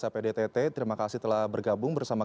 saya beri arahan di pihak keluarga yang bicara